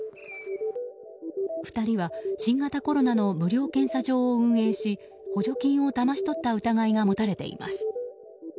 ２人は新型コロナの無料検査場を運営し補助金をだまし取った疑いが持たれています。